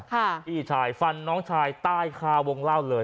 ค่ะพี่ชายฟันน้องชายตายคาวงเล่าเหลือ